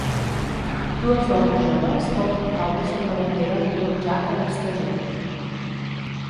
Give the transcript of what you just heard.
Dues dones joves porten faldes amb la bandera Union Jack a l'exterior.